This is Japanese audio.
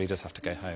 はい。